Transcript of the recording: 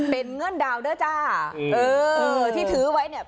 เป็นเงินดาวด์เด้อจ้าเออที่ถือวัยเนี่ย